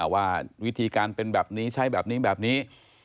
ว่าวิธีการเป็นแบบนี้ใช้แบบนี้แบบนี้